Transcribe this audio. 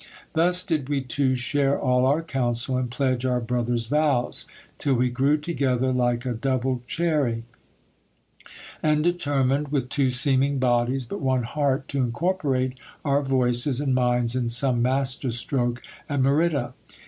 Thus did we t ,vo share all our counsel, and pledge our brother s vows, till we grew together l:ke a double cherry, and determined, with two seeming bodies but one heart, to incorporate our voices and minds in some master stroke at Merida.